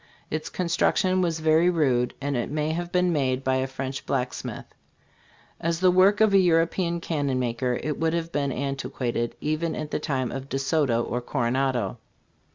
Its construc tion was very rude, and it may have been made by a French blacksmith. As the work of a European cannon m iker, it would have been antiquated even in the time of De Soto or Coronado.